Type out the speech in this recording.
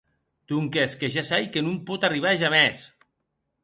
Donques que ja sai que non pòt arribar jamès.